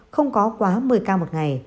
không có quá một mươi ca một ngày